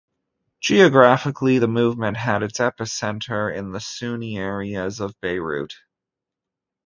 Geographically, the movement had its epicentre in the Sunni areas of Beirut.